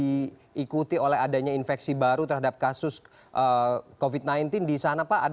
diikuti oleh adanya infeksi baru terhadap kasus covid sembilan belas di sana pak